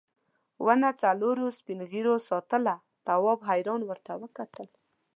ونه څلورو سپین غوږو ساتله تواب حیران ورته وکتل.